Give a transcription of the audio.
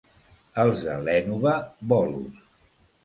Els de l'Énova, bolos.